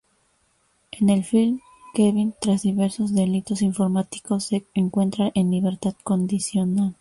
En el film, Kevin, tras diversos delitos informáticos se encuentra en libertad condicional.